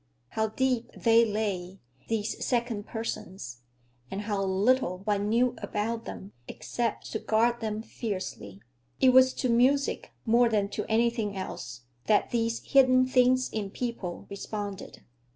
How deep they lay, these second persons, and how little one knew about them, except to guard them fiercely. It was to music, more than to anything else, that these hidden things in people responded.